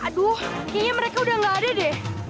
aduh kayaknya mereka udah gak ada deh